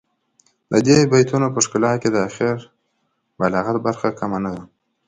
د دې بیتونو په ښکلا کې د اخر بلاغت برخه کمه نه ده.